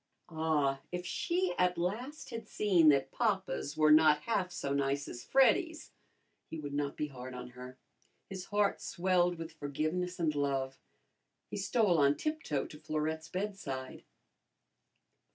Ah, if she at last had seen that papas were not half so nice as Freddy's, he would not be hard on her. His heart swelled with forgiveness and love. He stole on tiptoe to Florette's bedside.